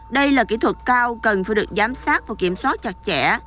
đây là kỹ thuật cao cần phải được giám sát và kiểm soát chặt chẽ